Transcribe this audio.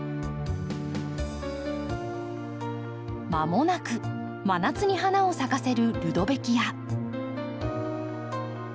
まもなく真夏に花を咲かせるルドベキア。